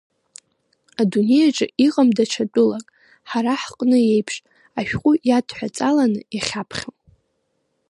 Адунеи аҿы иҟам даҽа тәылак, ҳара ҳҟны еиԥш, ашәҟәы иадҳәаҵаланы иахьаԥхьо.